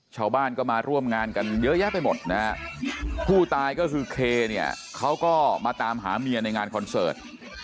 ชาวบ้านก็มาร่วมงานกันเยอะแยะไปหมดนะฮะผู้ตายก็คือเคเนี่ยเขาก็มาตามหาเมียในงานคอนเสิร์ต